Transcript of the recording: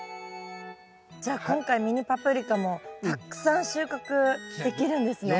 じゃあ今回ミニパプリカもたくさん収穫できるんですね。